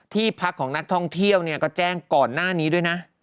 ที่พักของนักท่องเที่ยวเนี่ยก็แจ้งก่อนหน้านี้ด้วยนะ